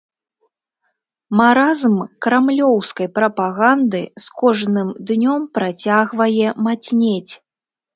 Маразм крамлёўскай прапаганды з кожным днём працягвае мацнець.